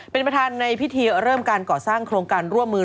เป็นประธานในพิธีเริ่มการก่อสร้างโครงการร่วมมือ